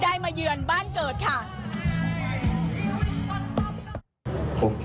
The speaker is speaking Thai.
มาเยือนบ้านเกิดค่ะ